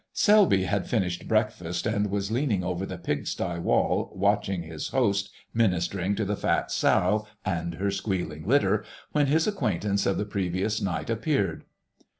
Selby had finished breakfast, and was leaning over the pig sty wall watching his host ministering to the fat sow and her squealing litter, when his acquaintance of the previous night appeared.